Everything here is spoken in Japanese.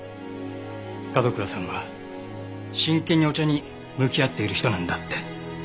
角倉さんは真剣にお茶に向き合っている人なんだって。